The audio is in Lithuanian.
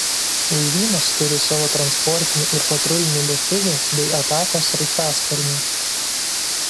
Laivynas turi savo transportinių ir patrulinių lėktuvų bei atakos sraigtasparnių.